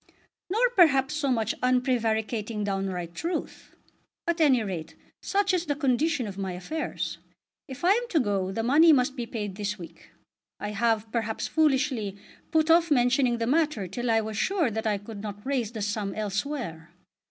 "Nor perhaps so much unprevaricating downright truth. At any rate such is the condition of my affairs. If I am to go the money must be paid this week. I have, perhaps foolishly, put off mentioning the matter till I was sure that I could not raise the sum elsewhere.